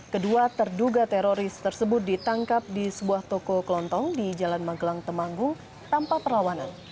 kedua terduga teroris tersebut ditangkap di sebuah toko kelontong di jalan magelang temanggung tanpa perlawanan